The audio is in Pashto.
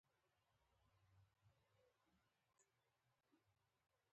ښه خبرونه نه اورم.